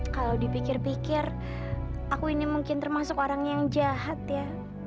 kalau dipikir pikir aku ini mungkin termasuk orang yang jahat ya